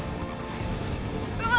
うわ！